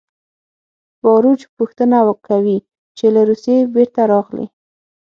باروچ پوښتنه کوي چې له روسیې بېرته راغلې